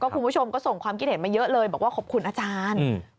คุณผู้ชมก็ส่งความคิดเห็นมาเยอะเลยบอกว่าขอบคุณอาจารย์